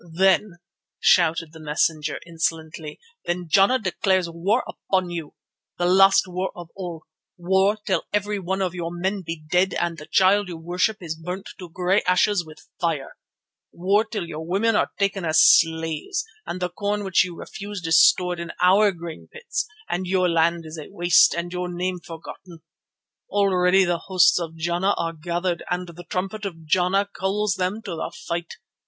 "Then," shouted the messenger insolently, "then Jana declares war upon you, the last war of all, war till every one of your men be dead and the Child you worship is burnt to grey ashes with fire. War till your women are taken as slaves and the corn which you refuse is stored in our grain pits and your land is a waste and your name forgotten. Already the hosts of Jana are gathered and the trumpet of Jana calls them to the fight.